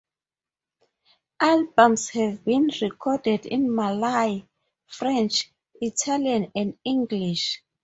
Albums have been recorded in Malay, French, Italian and English.